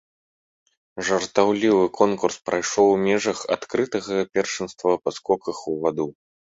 Жартаўлівы конкурс прайшоў у межах адкрытага першынства па скоках у ваду.